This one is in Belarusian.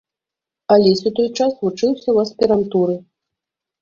Алесь у той час вучыўся ў аспірантуры.